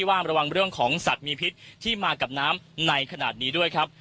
ว่าระวังเรื่องของสัตว์มีพิษที่มากับน้ำในขณะนี้ด้วยครับ